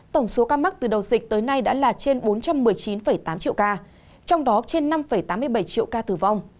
tổng số ca mắc từ đầu dịch tới nay đã là trên bốn trăm một mươi chín tám triệu ca trong đó trên năm tám mươi bảy triệu ca tử vong